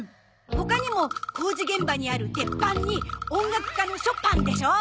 他にも工事現場にある「てっぱん」に音楽家の「ショパン」でしょ。